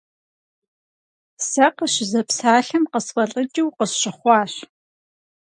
Сэ къыщызэпсалъэм къысфӀэлӀыкӀыу къысщыхъуащ.